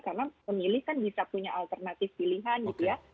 karena pemilih kan bisa punya alternatif pilihan gitu ya